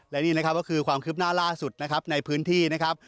และนี่นะครับก็คือความคืบหน้าล่าสุดนะครับในพื้นที่นะครับ